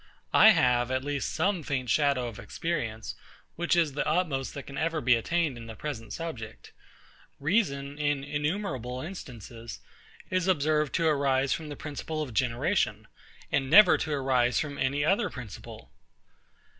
I have at least some faint shadow of experience, which is the utmost that can ever be attained in the present subject. Reason, in innumerable instances, is observed to arise from the principle of generation, and never to arise from any other principle.